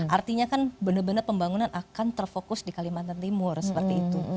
artinya kan benar benar pembangunan akan terfokus di kalimantan timur seperti itu